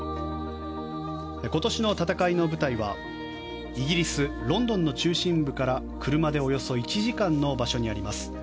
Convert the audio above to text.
今年の戦いの舞台はイギリス・ロンドンの中心部から車でおよそ１時間の場所にあります。